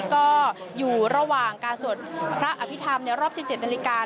ก็อยู่ระหว่างการสวดพระอภิษฐรรมในรอบ๑๗นาฬิกา